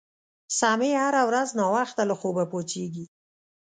سمیع هره ورځ ناوخته له خوبه پاڅیږي